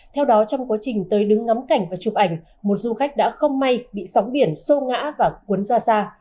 theo đó trong quá trình tới đứng ngắm cảnh và chụp ảnh một du khách đã không may bị sóng biển sô ngã và cuốn ra xa